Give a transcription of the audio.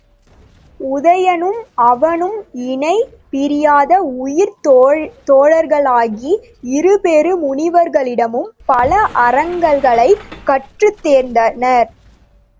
உதயணனும் அவனும் இணை பிரியாத உயிர்த் தோழர்களாகி இருபெரு முனிவர்களிடமும் பல அருங்கலைகளைக் கற்றுத் தேர்ந்தனர்.